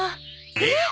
えっ？